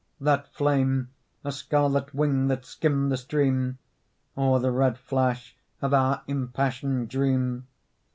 That flame a scarlet wing that skimmed the stream, Or the red flash of our impassioned dream?